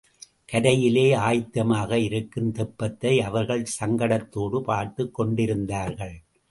கரையிலே, ஆய்த்தமாக இருக்கும் தெப்பத்தை அவர்கள் சங்கடத்தோடு பார்த்துக் கொண்டிருந்தார்கள்.